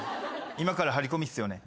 今から張り込みっすよね。